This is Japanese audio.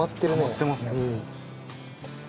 たまってますね。